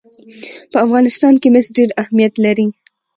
په افغانستان کې مس ډېر اهمیت لري.